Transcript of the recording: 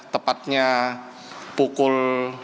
tepatnya pukul sembilan